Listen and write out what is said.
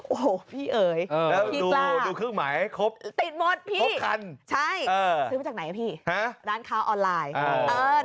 โอ้โหพี่เอ๋ยพี่กล้าติดหมดพี่ใช่ซื้อมาจากไหนอะพี่ร้านค้าออนไลน์